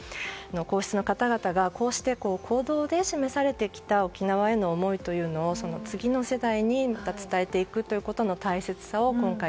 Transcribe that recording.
皇室の方々がこうして行動で示されてきた沖縄への思いを次の世代にまた伝えていくということの大切さを今回